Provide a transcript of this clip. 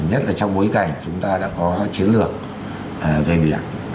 nhất là trong bối cảnh chúng ta đã có chiến lược về biển